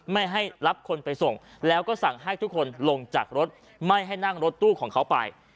ไม่ให้รับคนไปส่งแล้วก็สั่งให้ทุกคนลงจากรถไม่ให้นั่งรถตู้ของเขาไป